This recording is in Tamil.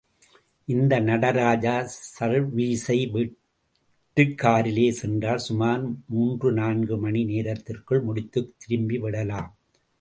இந்த நடராஜா சர்வீசை விட்டு காரிலே சென்றால் சுமார் மூன்று நான்கு மணி நேரத்திற்குள் முடித்துத் திரும்பி விடலாம்.